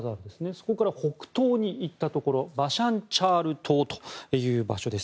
そこから北東に行ったバシャンチャール島という場所です。